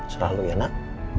selalu ya nak